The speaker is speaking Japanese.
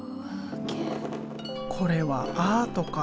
これはアートか？